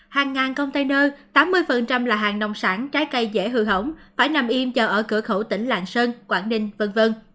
hàng ngàn container tám mươi là hàng nông sản trái cây dễ hư hỏng phải nằm im chờ ở cửa khẩu tỉnh lạng sơn quảng ninh v v